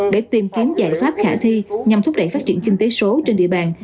để tìm kiếm giải pháp khả thi nhằm thúc đẩy phát triển kinh tế số trên địa bàn